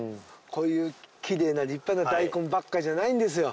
こういうきれいな立派な大根ばっかじゃないんですよ